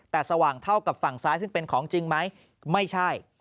แต่สว่างเท่ากับฝั่งซ้ายซึ่งเป็นของจริงไหมไม่ใช่